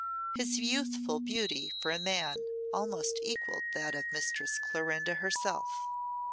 His youthful beauty for a man almost equalled that of Mistress Clorinda herself.